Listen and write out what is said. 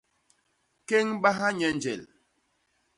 Kéñbaha nye njel.